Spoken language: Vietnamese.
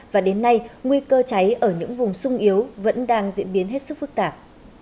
và đến nay nguy cơ cháy ở những vùng sung yếu vẫn đang diễn biến hết sức phức tạp